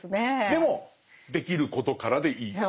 でもできることからでいいっていう。